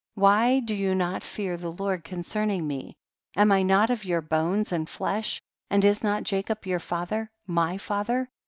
why do you not fear the Lord concerning me ? am I not of your bones and flesh, and is not Jacob your father, my father